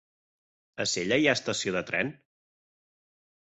A Sella hi ha estació de tren?